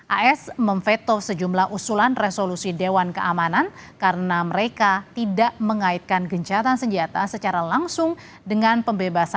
as memveto sejumlah usulan resolusi dewan keamanan karena mereka tidak mengaitkan gencatan senjata secara langsung dengan pembebasan